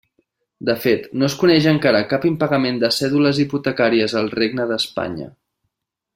De fet no es coneix encara cap impagament de cèdules hipotecàries al regne d'Espanya.